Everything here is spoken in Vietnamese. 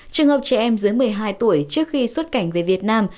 trường hợp trẻ em dưới một mươi hai tuổi trước khi xuất cảnh về việt nam